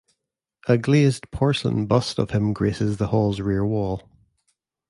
A glazed porcelain bust of him graces the hall's rear wall.